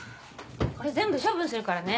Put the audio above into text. これ全部処分するからね。